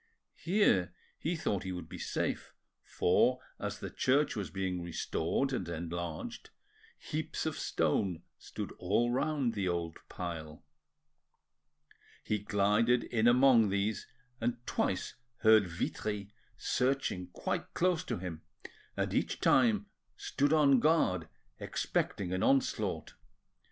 Here he thought he would be safe, for, as the church was being restored and enlarged, heaps of stone stood all round the old pile. He glided in among these, and twice heard Vitry searching quite close to him, and each time stood on guard expecting an onslaught.